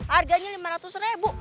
harganya lima ratus ribu